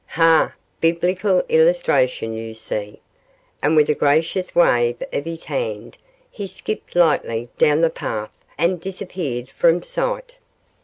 Ha! Biblical illustration, you see;' and with a gracious wave of his hand he skipped lightly down the path and disappeared from sight.